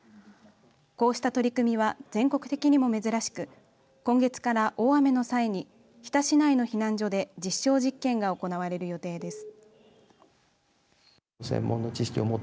こうした取り組みは全国的にも珍しく今月から大雨の際に日田市内の避難所で実証実験が行われる予定です。